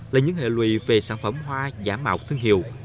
là những hệ lụy về sản phẩm hoa giả mạo thương hiệu